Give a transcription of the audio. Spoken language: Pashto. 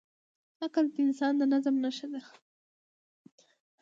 عقل د انسان د نظم نښه ده.